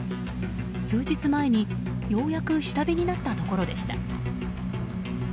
数日前に、ようやく下火になったところでした。